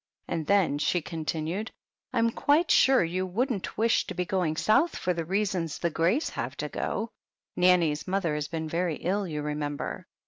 "And then," she continued, "I'm quite sure you wouldn't wish to be going South for the reason the Greys have to go. Nanny's mother has been very ill, you remember."